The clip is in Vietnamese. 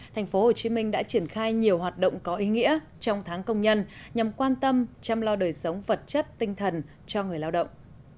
tp hcm đã triển khai nhiều hoạt động có ý nghĩa trong tháng công nhân nhằm quan tâm chăm lo đời sống vật chất tinh thần cho người lao động